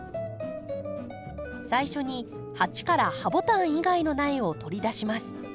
最初に鉢からハボタン以外の苗を取り出します。